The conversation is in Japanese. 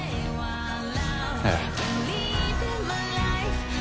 ええ。